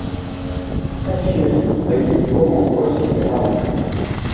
Asekles s teqbaylit di Common Voice yelha.